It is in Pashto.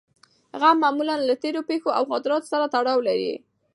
غم معمولاً له تېرو پېښو او خاطرو سره تړاو لري.